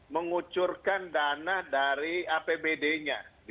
mengucurkan dana dari apbd nya